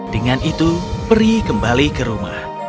dengan itu peri kembali ke rumah